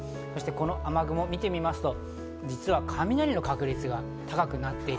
この雨雲を見てみますと、実は雷の確率が高くなっている。